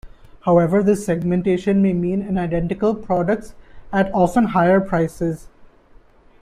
However this segmentation may mean an identical products at often higher prices.